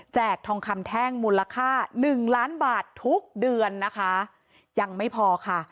ทองคำแท่งมูลค่าหนึ่งล้านบาททุกเดือนนะคะยังไม่พอค่ะ